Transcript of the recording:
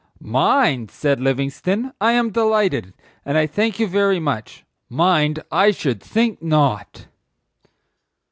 "Mind!" said Livingstone, "I am delighted; and I thank you very much. Mind? I should think not!"